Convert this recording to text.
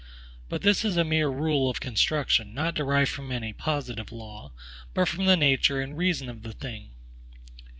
But this is a mere rule of construction, not derived from any positive law, but from the nature and reason of the thing.